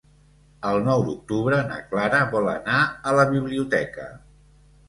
El nou d'octubre na Clara vol anar a la biblioteca.